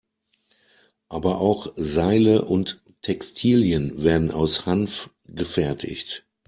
Aber auch Seile und Textilien werden aus Hanf gefertigt.